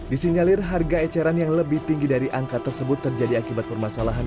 disinyalir harga eceran yang lebih tinggi dari angka tersebut terjadi akibat permasalahan